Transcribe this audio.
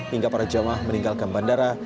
hingga para jemaah meninggalkan bandara